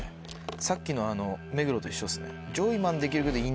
さっきの目黒と一緒ですね。